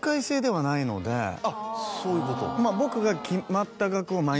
あっそういうこと。